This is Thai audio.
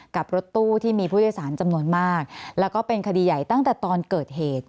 กับรถตู้ที่มีผู้โดยสารจำนวนมากแล้วก็เป็นคดีใหญ่ตั้งแต่ตอนเกิดเหตุ